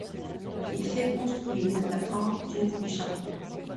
Il fait construire la grande tour du château.